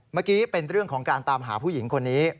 เมื่อกี้เป็นเรื่องของการตามหาผู้หญิงคนนี้